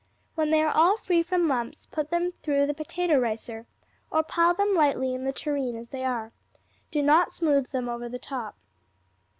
When they are all free from lumps, put them through the potato ricer, or pile them lightly in the tureen as they are. Do not smooth them over the top.